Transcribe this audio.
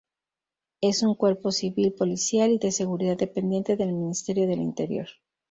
Es un cuerpo civil policial y de seguridad dependiente del Ministerio del Interior.